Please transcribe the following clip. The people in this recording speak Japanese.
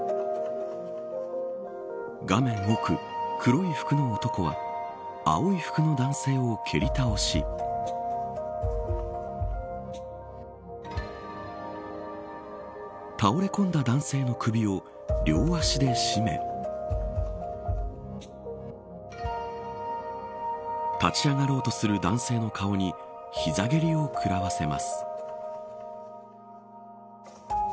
画面奥、黒い服の男は青い服の男性を蹴り倒し倒れ込んだ男性の首を両脚で締め立ち上がろうとする男性の顔に膝蹴りを食らわせます。